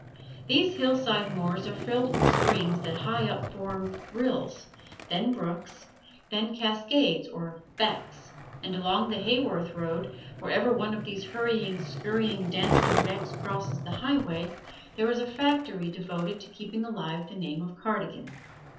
These hillside moors are filled with springs that high up form rills, then brooks, then cascades or "becks," and along the Haworth road, wherever one of these hurrying, scurrying, dancing becks crosses the highway, there is a factory devoted to keeping alive the name of Cardigan.